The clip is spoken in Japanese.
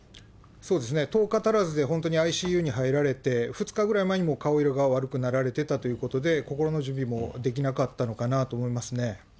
そうですね、１０日足らずで、本当にＩＣＵに入られて、２日ぐらい前に顔色が悪くなられてたということで、心の準備もできなかったのかなと思いますね。